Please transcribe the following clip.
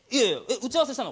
打ち合わせしたの？